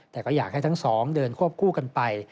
แต่ก็อยากให้ทั้งสองเดินควบคู่กันไป